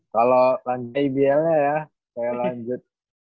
kalau lanjai bl nya ya saya lanjut